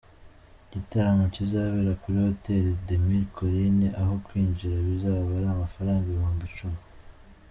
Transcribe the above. Igitaramo kizabera kuri Hôtel des Mille Collines aho kwinjira bizaba ari amafaranga ibihumbi icumi.